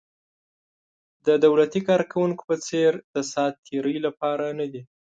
د دولتي کارکوونکو په څېر د ساعت تېرۍ لپاره نه دي.